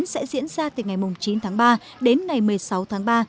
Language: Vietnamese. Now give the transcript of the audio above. sẽ diễn ra từ ngày chín tháng ba đến ngày một mươi sáu tháng ba